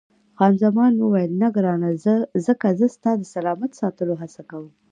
خان زمان وویل، نه ګرانه، ځکه زه ستا د سلامت ساتلو هڅه کوم.